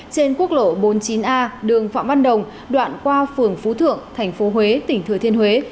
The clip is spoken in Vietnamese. trên quốc lộ bốn mươi chín a đường phạm văn đồng đoạn qua phường phú thượng tp huế tỉnh thừa thiên huế